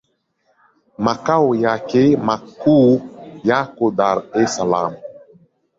Makao yake makuu yako Dar es Salaam.